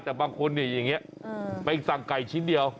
แต่บางคนเนี่ยอย่างนี้ไปสั่งไก่ชิ้นเดียว